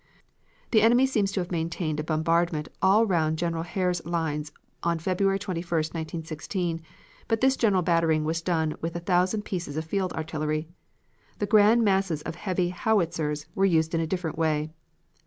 "The enemy seems to have maintained a bombardment all round General Herr's lines on February 21, 1916, but this general battering was done with a thousand pieces of field artillery. The grand masses of heavy howitzers were used in a different way.